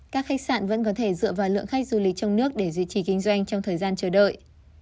các khách sạn vẫn có thể dựa vào lượng khách du lịch trong nước để duy trì kinh doanh trong thời gian chờ đợi